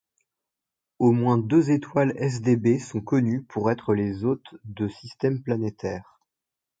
Au moins deux étoiles sdB sont connues pour être les hôtes de systèmes planétaires.